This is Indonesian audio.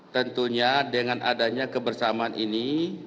tentunya dengan adanya kebersamaan ini